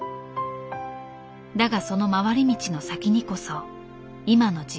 だがその回り道の先にこそ今の自分がある。